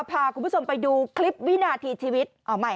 พาคุณผู้ชมไปดูคลิปวินาทีชีวิต